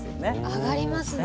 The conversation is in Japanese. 上がりますね。